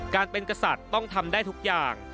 การเป็นกษัตริย์ต้องทำได้ทุกอย่าง